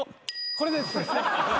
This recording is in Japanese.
これです。